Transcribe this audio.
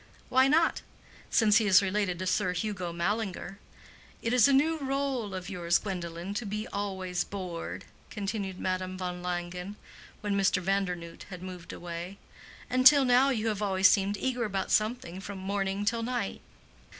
"Why not?—since he is related to Sir Hugo Mallinger. It is a new rôle of yours, Gwendolen, to be always bored," continued Madame von Langen, when Mr. Vandernoodt had moved away. "Until now you have always seemed eager about something from morning till night."